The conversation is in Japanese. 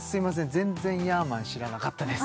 全然ヤーマン知らなかったです